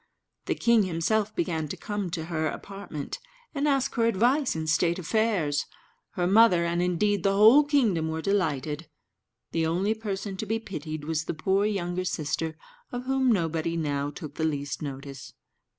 The king himself began to come to her apartment, and ask her advice in state affairs. Her mother, and indeed the whole kingdom, were delighted; the only person to be pitied was the poor younger sister, of whom nobody now took the least notice.